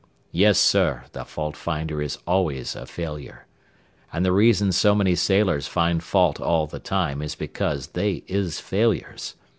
"Yes, sir, the faultfinder is always a failure. An' the reason so many sailors find fault all the time is because they is failures.